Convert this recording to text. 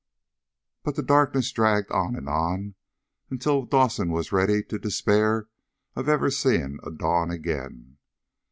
But the darkness dragged on and on until Dawson was ready to despair of ever seeing a dawn again.